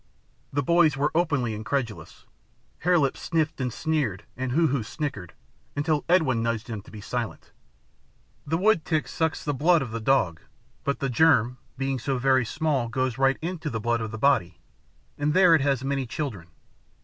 The boys were openly incredulous. Hare Lip sniffed and sneered and Hoo Hoo snickered, until Edwin nudged them to be silent. "The woodtick sucks the blood of the dog, but the germ, being so very small, goes right into the blood of the body, and there it has many children.